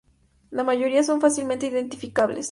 La mayoría son fácilmente identificables.